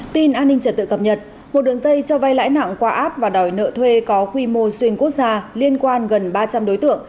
tin an ninh trật tự cập nhật một đường dây cho vay lãi nặng qua app và đòi nợ thuê có quy mô xuyên quốc gia liên quan gần ba trăm linh đối tượng